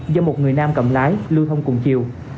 do một người nam cầm lái lưu thông cùng chiều